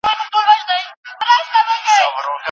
هر وګړی د ټولنې په جوړولو کې ونډه لري.